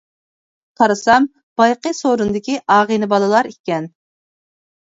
قارىسام بايىقى سورۇندىكى ئاغىنە بالىلار ئىكەن.